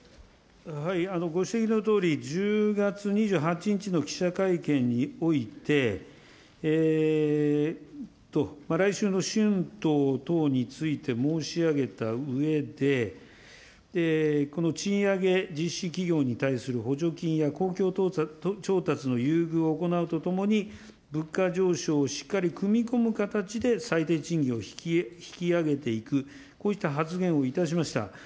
ご指摘のとおり、１０月２８日の記者会見において、来週の春闘等について申し上げたうえで、この賃上げ実施企業に対する補助金や公共調達の優遇を行うとともに、物価上昇をしっかり組み込む形で最低賃金を引き上げていく、こういった発言をいたしました。